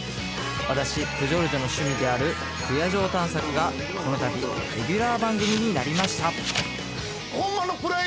私プジョルジョの趣味である不夜城探索がこのたびレギュラー番組になりました